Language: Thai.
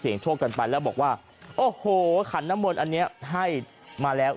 โชคกันไปแล้วบอกว่าโอ้โหขันน้ำมนต์อันนี้ให้มาแล้ว